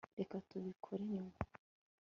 reka tubikore nyuma